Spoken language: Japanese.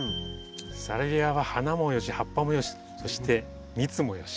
サルビアは花もよし葉っぱもよしそして蜜もよし。